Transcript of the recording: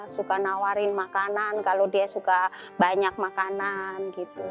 suka nawarin makanan kalau dia suka banyak makanan gitu